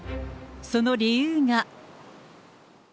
その理由が。